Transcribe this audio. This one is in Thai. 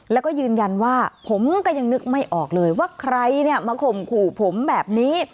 แล้วก็ยืนยันว่าผมก็ยังนึกไม่ออกเลยว่าใครเนี่ยมาข่มขู่ผมแบบนี้